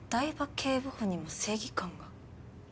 警部補にも正義感が？